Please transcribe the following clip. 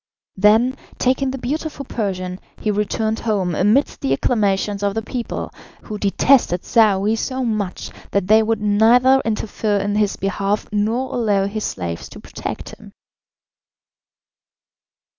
Then, taking the beautiful Persian, he returned home amidst the acclamations of the people, who detested Saouy so much that they would neither interfere in his behalf nor allow his slaves to protect him.